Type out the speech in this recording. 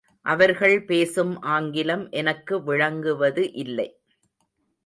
அவர்கள் பேசும் ஆங்கிலம் எனக்கு விளங்குவது இல்லை.